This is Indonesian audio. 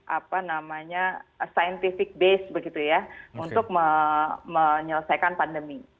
apa namanya scientific base begitu ya untuk menyelesaikan pandemi